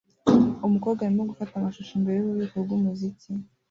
Umukobwa arimo gufata amashusho imbere yububiko bwumuziki